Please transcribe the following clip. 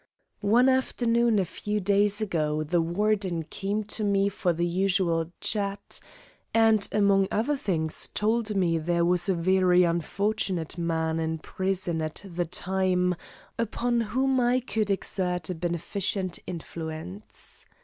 One afternoon a few days ago the Warden came to me for the usual chat, and among other things told me there was a very unfortunate man in prison at the time upon whom I could exert a beneficent influence.